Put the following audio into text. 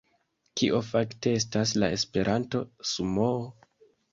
Kio fakte estas la Esperanto-sumoo?